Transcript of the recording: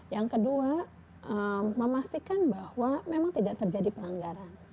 yang kedua memastikan bahwa memang tidak terjadi pelanggaran